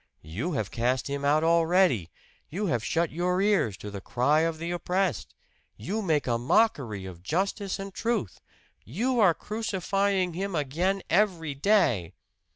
You have cast Him out already! You have shut your ears to the cry of the oppressed you make mockery of justice and truth! You are crucifying Him again every day!"